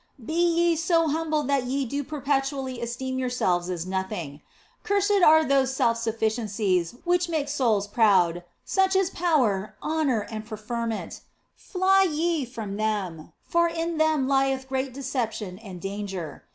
Be ye so humble that ye do perpetually esteem yourselves as nothing. Cursed are those self 260 THE BLESSED ANGELA sufficiencies which make souls proud, such as power, honour and preferment, fly ye from them, for in them lieth great deception and danger.